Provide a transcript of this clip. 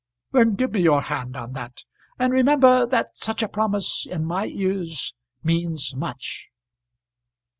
"Then give me your hand on that, and remember that such a promise in my ears means much."